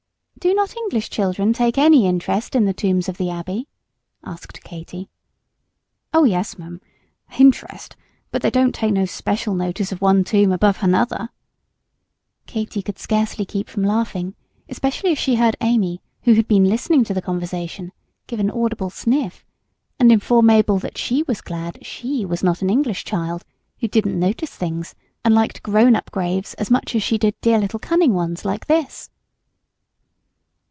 "Do not English children take any interest in the tombs of the Abbey?" asked Katy. "Oh yes, m'm, h'interest; but they don't take no special notice of one tomb above h'another." Katy could scarcely keep from laughing, especially as she heard Amy, who had been listening to the conversation, give an audible sniff, and inform Mabel that she was glad she was not an English child, who didn't notice things and liked grown up graves as much as she did dear little cunning ones like this!